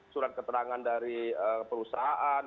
surat keterangan dari perusahaan